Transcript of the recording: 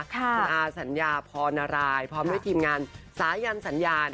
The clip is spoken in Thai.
คุณอาวุฒิษฎีฟอนรายพร้อมด้วยทีมงานสายันศรรยา